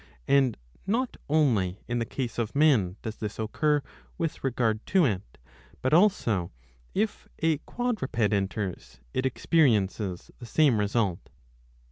And not only in the case of men does this occur with regard to it, but also, if a quadruped enters, it experiences the same result.